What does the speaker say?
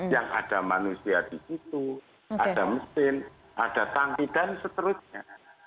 yang ada manusia di situ ada mesin ada tangki dan seterusnya